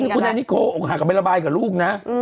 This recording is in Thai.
เวลาที่ปุ้งแอนนิโกหกหักเข้าไประบายกับลูกนะ